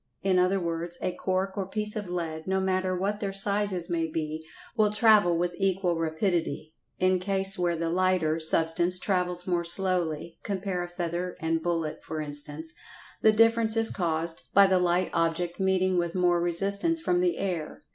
In other words, a cork or piece of lead, no matter what their sizes may be, will travel with equal rapidity. In case where the "lighter" substance travels more slowly (compare a feather and bullet, for instance) the difference is caused by the light object meeting with more resistance from the air.